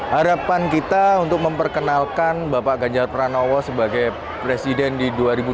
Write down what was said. harapan kita untuk memperkenalkan bapak ganjar pranowo sebagai presiden di dua ribu dua puluh